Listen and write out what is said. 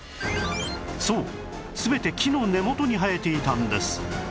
そう全て木の根元に生えていたんです